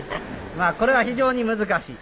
まあこれは非常に難しい。